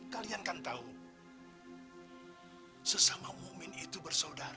kalian kan tahu sesama mu'min itu bersaudara